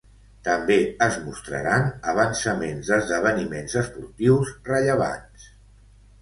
També es mostraran avançaments d'esdeveniments esportius rellevants.